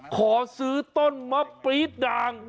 ขอซื้อต้นมะปรี๊ดด่าง